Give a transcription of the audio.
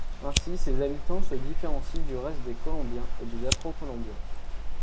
Ainsi, ses habitants se différencient du reste des Colombiens et des Afro-Colombiens.